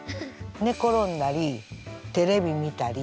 寝転んだりテレビ見たり。